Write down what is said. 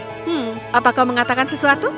hmm apa kau mengatakan sesuatu